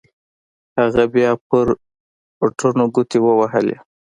هغه بيا پر بټنو گوټې ووهلې.